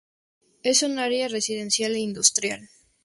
Es un área residencial e industrial.